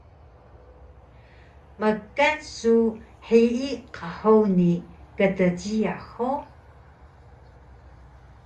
Mkan su hiyi qhuni kdjiyax hug?